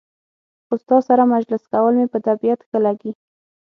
خو ستا سره مجلس کول مې په طبیعت ښه لګي.